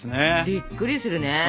びっくりするね。